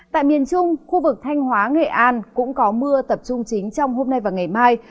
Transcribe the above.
tại miền trung khu vực thanh hóa nghệ an cũng có mưa tập trung chính trong hôm nay và ngày mai